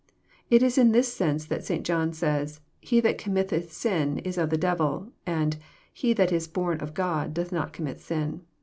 It Is In this sense that St. John says, He that commlt teth sin Is of the devil," and '* He that is born of God doth not commit sin."